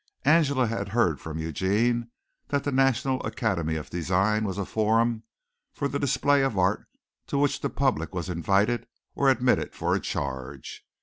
Angela had heard from Eugene that the National Academy of Design was a forum for the display of art to which the public was invited or admitted for a charge.